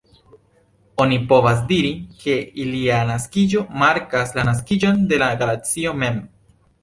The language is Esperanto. Oni povas diri, ke ilia naskiĝo markas la naskiĝon de la Galaksio mem.